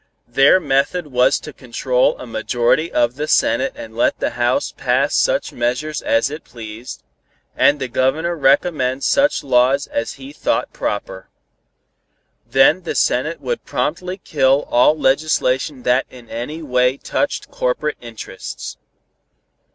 Their method was to control a majority of the Senate and let the House pass such measures as it pleased, and the Governor recommend such laws as he thought proper. Then the Senate would promptly kill all legislation that in any way touched corporate interests.